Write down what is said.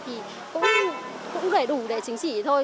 thì cũng gửi đủ để chứng chỉ thôi